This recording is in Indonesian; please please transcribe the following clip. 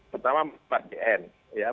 pertama empat gn ya